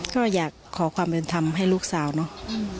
ก็อยากขอความเป็นธรรมให้ลูกสาวเนาะ